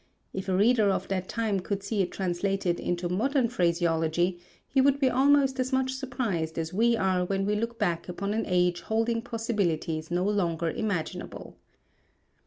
If a reader of that time could see it translated into modern phraseology he would be almost as much surprised as we are when we look back upon an age holding possibilities no longer imaginable.